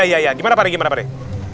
iya gimana pak dek